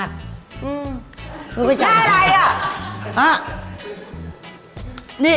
ตรงนี้